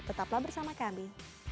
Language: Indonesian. tetaplah bersama kami